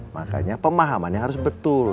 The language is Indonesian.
makanya pemahamannya harus betul